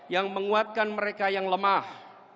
yang menguatkan mereka yang lemah